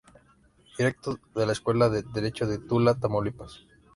Director de la Escuela de Derecho de Tula, Tamaulipas.